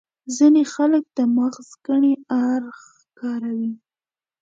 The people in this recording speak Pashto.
ځينې خلک د مغز کڼ اړخ کاروي.